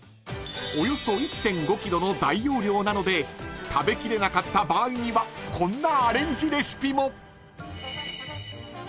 ［およそ１．５ｋｇの大容量なので食べきれなかった場合にはこんなアレンジレシピも］